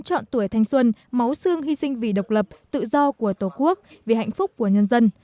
chọn tuổi thanh xuân máu xương hy sinh vì độc lập tự do của tổ quốc vì hạnh phúc của nhân dân